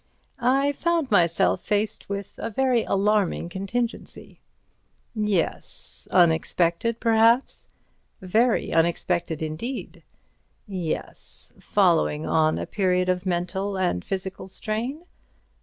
"I found myself faced with a very alarming contingency." "Yes. Unexpectedly, perhaps." "Very unexpected indeed." "Yes. Following on a period of mental and physical strain."